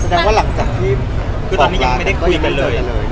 แสดงว่าหลังจากที่บอกร้านก็ยังไม่ได้คุยกันเลย